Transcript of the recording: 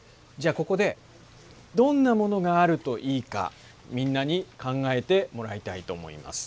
ここでどんな物があるといいかみんなに考えてもらいたいと思います。